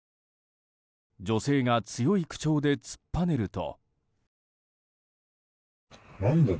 女性が強い口調で突っぱねると。